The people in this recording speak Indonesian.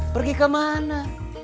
pergi ke mana